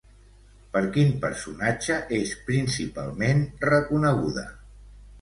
Per quin personatge és, principalment, reconeguda?